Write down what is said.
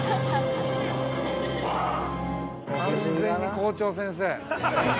◆完全に校長先生。